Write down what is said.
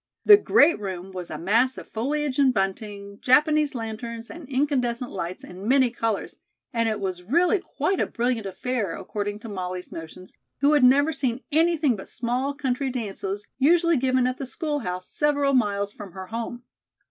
The great room was a mass of foliage and bunting, Japanese lanterns and incandescent lights in many colors, and it was really quite a brilliant affair according to Molly's notions, who had never seen anything but small country dances usually given at the schoolhouse several miles from her home.